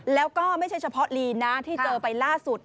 แล้วก็ไม่ใช่เฉพาะลีนนะที่เจอไปล่าสุด